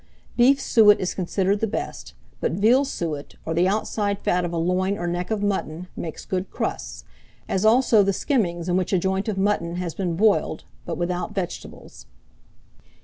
Beef suet is considered the best; but veal suet, or the outside fat of a loin or neck of mutton, makes good crusts; as also the skimmings in which a joint of mutton has been boiled, but without vegetables.